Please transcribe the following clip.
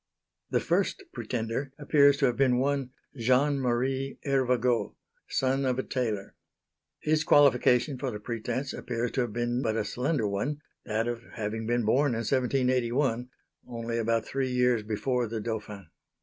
The first pretender appears to have been one Jean Marie Hervagault, son of a tailor. His qualification for the pretence appears to have been but a slender one, that of having been born in 1781, only about three years before the Dauphin.